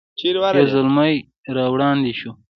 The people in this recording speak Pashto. یو زلمی را وړاندې شو.